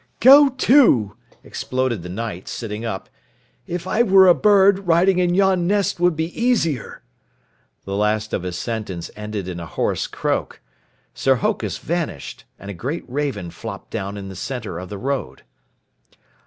"Go to!" exploded the Knight, sitting up. "If I were a bird, riding in yon nest would be easier." The last of his sentence ended in a hoarse croak. Sir Hokus vanished, and a great raven flopped down in the center of the road.